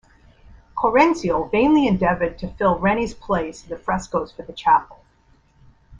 Corenzio vainly endeavoured to fill Reni's place in the frescoes for the chapel.